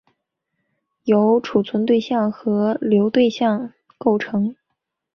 由存储对象和流对象构成。